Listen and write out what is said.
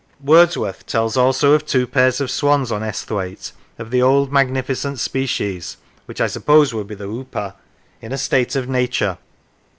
Wordsworth tells also of two pairs of swans on Esth waite, " of the old magnificent species " (which I suppose would be the whooper ?), in a state of nature.